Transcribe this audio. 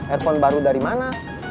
earphone baru dari mana